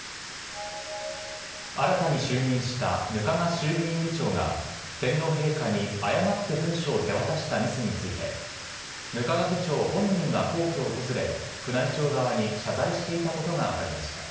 新たに就任した額賀衆議院議長が天皇陛下に誤って文書を手渡したミスについて、額賀議長本人が皇居を訪れ、宮内庁側に謝罪していたことが分かりました。